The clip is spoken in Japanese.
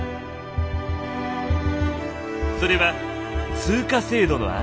それは通貨制度の安定。